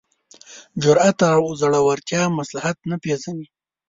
جرات او زړورتیا مصلحت نه پېژني.